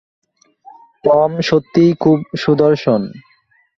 Tom সত্যিই খুব সুদর্শন।